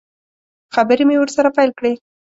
خبرې مې ورسره پیل کړې.